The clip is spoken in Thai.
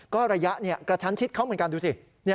ก็ระยะกระชั้นชิดเขาเหมือนกันดูสิ